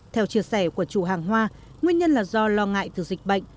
theo chia sẻ của chủ hàng hoa nguyên nhân là do lo ngại từ dịch bệnh